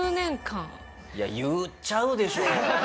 いや言っちゃうでしょ。